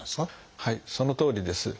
はいそのとおりです。